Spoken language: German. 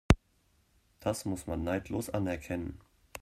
Das muss man neidlos anerkennen.